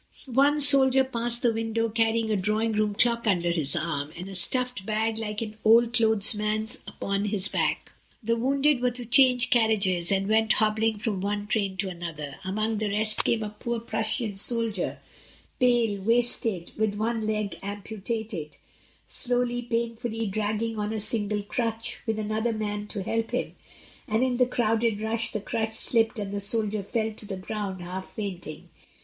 One soldier passed the window carrying a drawing room clock under his arm, and THE BLACK SHADOWS. 1 65 a Stuffed bag like an old clothes man's upon his back. The wounded were to change carriages, and went hobbling from one train to another; among the rest came a poor Prussian soldier, pale, wasted, with one leg amputated, slowly, painfully dragging on a single crutch, with another man to help him, and in the crowded rush the crutch slipped and the soldier fell to the ground half fainting.